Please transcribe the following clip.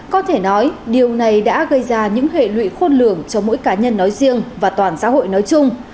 có thể nói điều này đã gây ra những hệ lụy khôn lường cho mỗi cá nhân nói riêng và toàn xã hội nói chung